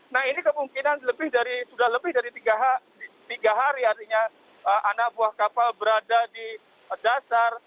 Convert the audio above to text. nah ini kemungkinan sudah lebih dari tiga hari artinya anak buah kapal berada di dasar